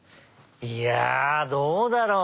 いやあどうだろう？